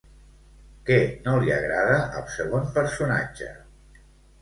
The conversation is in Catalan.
Què no li agrada al segon personatge?